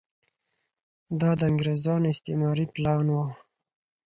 دا د انګریزانو استعماري پلان و.